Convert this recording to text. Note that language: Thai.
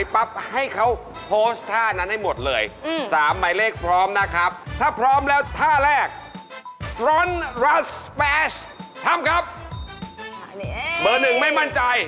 อยากรู้ว่าทำไมเวลาเขาแข่งพอร์กได้